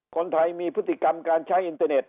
คนไทยมีพฤติกรรมการใช้อินเตอร์เน็ต